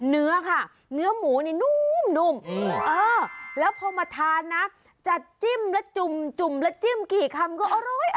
เนื้อค่ะเนื้อหมูนี่นุ่มแล้วพอมาทานนะจะจิ้มและจุ่มแล้วจิ้มกี่คำก็อร่อย